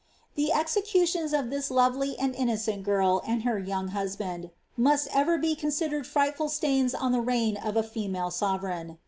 The executions of this lovely and innocent girl and her young hus band must ever be considered frightful stains on the reign of a female sovereign.